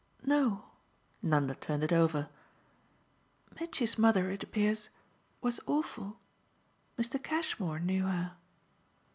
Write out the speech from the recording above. "No" Nanda turned it over. "Mitchy's mother, it appears, was awful. Mr. Cashmore knew her."